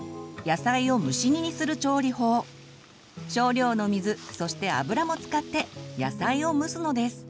少量の水そして油も使って野菜を蒸すのです。